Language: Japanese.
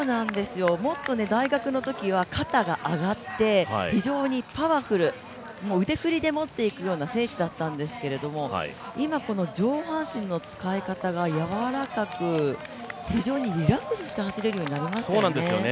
もっと大学のときは肩が上がって、非常にパワフル、腕振りで持って行くような選手だったんですけれども、今この上半身の使い方が柔らかく非常にリラックスした走りになりましたね。